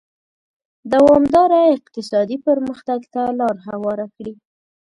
دوامداره اقتصادي پرمختګ ته لار هواره کړي.